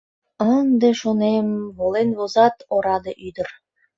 Ынде, шонем, волен возат, ораде ӱдыр!